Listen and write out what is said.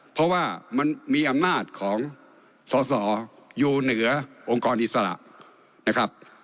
เพราะว่ามันมีอำนาจของสอสออยู่เหนือองค์กรอิสระนะครับ